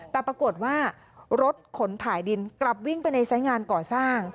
แต่ปรากฏว่ารถขนถ่ายดินกลับวิ่งไปในไซส์งานก่อสร้าง